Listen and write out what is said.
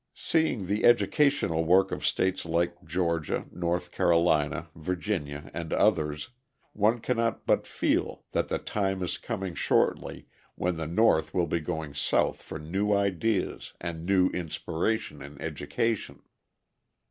Seeing the educational work of states like Georgia, North Carolina, Virginia, and others, one cannot but feel that the time is coming shortly when the North will be going South for new ideas and new inspiration in education.